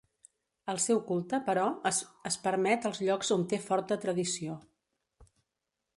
El seu culte, però, es permet als llocs on té forta tradició.